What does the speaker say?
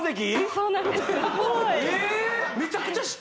そうなんですえっ！